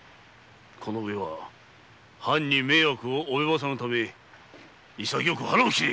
この上は藩に迷惑を及ぼさぬため潔く腹を切れ！